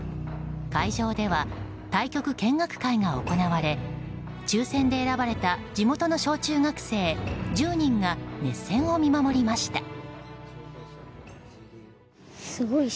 会場では対局見学会が行われ抽選で選ばれた地元の小中学生１０人が熱戦を見守りました。